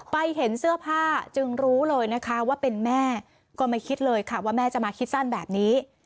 ไปเห็นเสื้อผ้าจึงรู้เลยนะคะว่าเป็นแม่ก็ไม่คิดเลยค่ะว่าแม่จะมาคิดสั้นแบบนี้